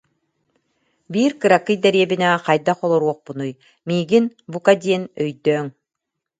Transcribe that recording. Биир кыракый дэриэбинэҕэ хайдах олоруохпунуй, миигин, бука диэн, өйдөөҥ